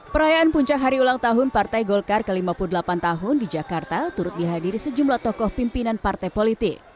perayaan puncak hari ulang tahun partai golkar ke lima puluh delapan tahun di jakarta turut dihadiri sejumlah tokoh pimpinan partai politik